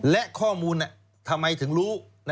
และข้อมูลทำไมถึงรู้